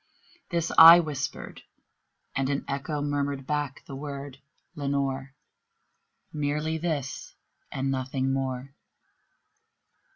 This I whispered, and an echo murmured back the word, "Lenore!" Merely this and nothing more.